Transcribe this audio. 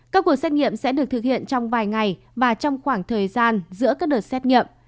các cuộc xét nghiệm sẽ được thực hiện trong vài ngày và trong khoảng thời gian giữa các đợt xét nghiệm